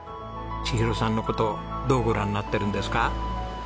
千尋さんの事どうご覧になってるんですか？